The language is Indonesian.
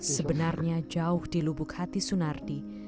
sebenarnya jauh di lubuk hati sunardi